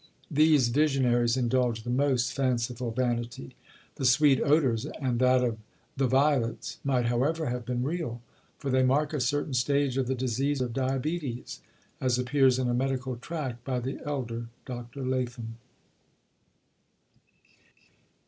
These visionaries indulge the most fanciful vanity. The "sweet odours," and that of "the violets," might, however, have been real for they mark a certain stage of the disease of diabetes, as appears in a medical tract by the elder Dr. Latham.